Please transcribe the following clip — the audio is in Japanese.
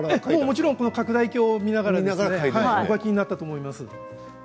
もちろん拡大鏡とかを見ながらお描きになったと思います。